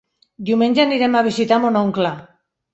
Diumenge anirem a visitar mon oncle.